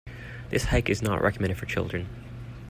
This hike is not recommended for children.